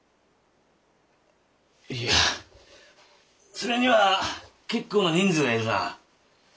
いやそれには結構な人数が要るな。